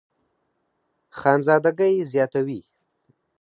خانزادګۍ زياتوي